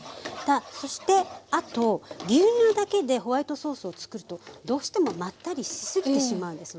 そしてあと牛乳だけでホワイトソースをつくるとどうしてもまったりしすぎてしまうんですね。